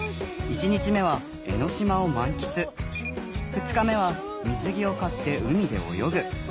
２日目は水着を買って海で泳ぐ。